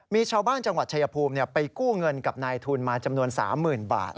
มีชาวบ้านจังหวัดชายภูมิไปกู้เงินกับนายทุนมาจำนวน๓๐๐๐บาท